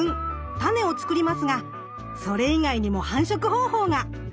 種を作りますがそれ以外にも繁殖方法が。